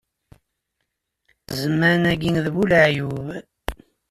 Zzman-agi d bu leɛyub